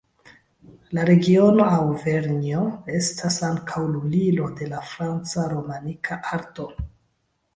La regiono Aŭvernjo estas ankaŭ lulilo de la franca romanika arto.